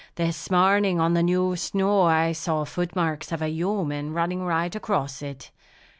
This morning, on the new snow, I saw foot marks of a human running right across it.